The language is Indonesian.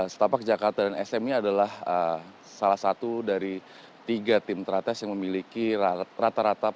setapak jakarta dan smi adalah salah satu dari tiga tim teratas yang memiliki rata rata